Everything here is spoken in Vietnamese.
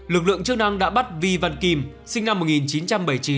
lực lượng chức năng đã bắt vi văn kim sinh năm một nghìn chín trăm bảy mươi chín